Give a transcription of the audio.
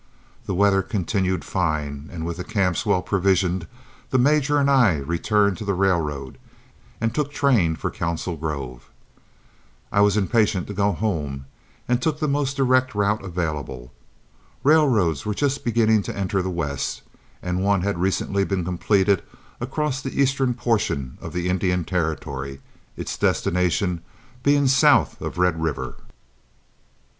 The weather continued fine, and with the camps well provisioned, the major and I returned to the railroad and took train for Council Grove. I was impatient to go home, and took the most direct route then available. Railroads were just beginning to enter the West, and one had recently been completed across the eastern portion of the Indian Territory, its destination being south of Red River.